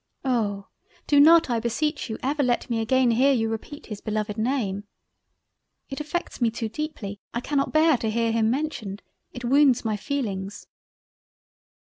Oh! do not I beseech you ever let me again hear you repeat his beloved name—. It affects me too deeply—. I cannot bear to hear him mentioned it wounds my feelings."